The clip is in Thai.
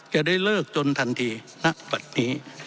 จะได้เลิกจนทันทีณปัดนี้